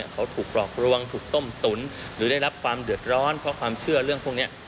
เขาถูกหลอกลวงถูกต้มตุ๋นหรือได้รับความเดือดร้อนเพราะความเชื่อเรื่องพวกนี้